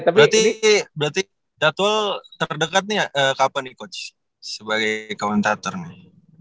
berarti jadwal terdekat nih kapan nih coach sebagai common teater nih